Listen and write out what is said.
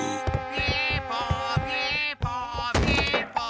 ピーポーピーポーピーポー。